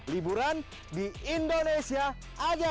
liburan di indonesia aja